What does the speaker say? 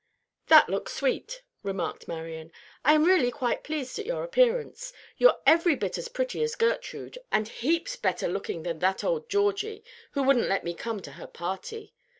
"That looks sweet," remarked Marian. "I am really quite pleased at your appearance; you're every bit as pretty as Gertrude, and heaps better looking than that old Georgie, who wouldn't let me come to her party.